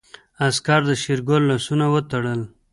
عسکر د شېرګل لاسونه وتړل.